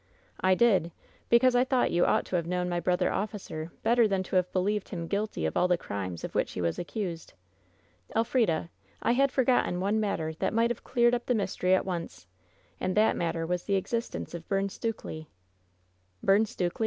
"I did; because I thought you ought to have known my brother officer better than to have believed him guilty of all the crimes of which he was accused! El frida! I had forgotten one matter that might have cleared up the mystery at once ! And that matter was the existence of Byrne Stukely." "'Byrne Stukely!'